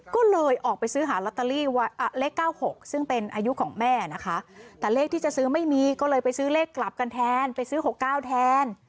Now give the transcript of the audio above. ก็เลยออกไปซื้อหาลอตเตอรี่เลข๙๖ซึ่งเป็นอายุของแม่นะคะแต่เลขที่จะซื้อไม่มีก็เลยไปซื้อเลขกลับกันแทนไปซื้อ๖๙แทน